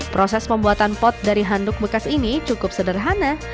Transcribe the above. proses pembuatan pot dari handuk bekas ini cukup sederhana